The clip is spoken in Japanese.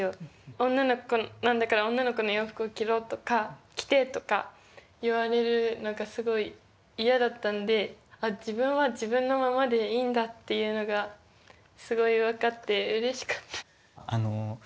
女の子なんだから女の子の洋服を着ろとか着てとか言われるのがすごい嫌だったんであ自分は自分のままでいいんだっていうのがすごい分かってうれしかった。